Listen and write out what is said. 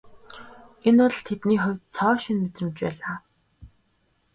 Энэ бол тэдний хувьд цоо шинэ мэдрэмж байлаа.